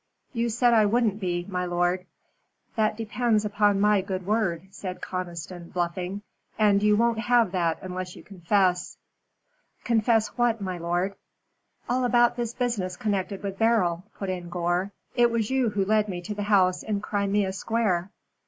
"You said I wouldn't be, my lord." "That depends upon my good word," said Conniston, bluffing; "and you won't have that unless you confess." "Confess what, my lord?" "All about this business connected with Beryl," put in Gore. "It was you who led me to the house in Crimea Square."